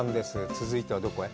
続いてはどこへ？